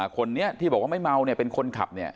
คนนี้ที่บอกว่าไม่เมาเป็นคนขับ